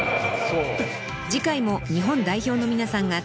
［次回も日本代表の皆さんが登場］